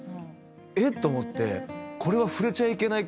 えっ？と思って。